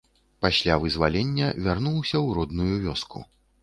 Пасля вызвалення вярнуўся ў родную вёску.